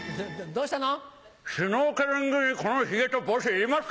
どうしたの？